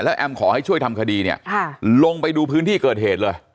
แอมขอให้ช่วยทำคดีเนี่ยลงไปดูพื้นที่เกิดเหตุเลย